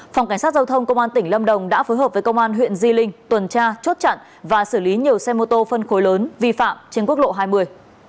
phòng cảnh sát giao thông công an tỉnh lâm đồng đã phối hợp với công an huyện di linh tuần tra chốt chặn và xử lý nhiều xe mô tô phân khối lớn vi phạm trên quốc lộ hai mươi